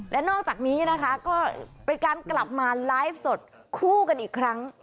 และนอกจากนี้นะคะก็เป็นการกลับมาไลฟ์สดคู่กันอีกครั้ง